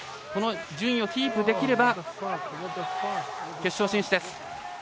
この順位をキープできれば決勝進出です。